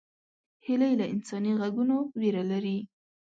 هیلۍ له انساني غږونو ویره لري